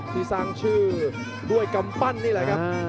ที่สร้างชื่อด้วยกำปั้นนี่แหละครับ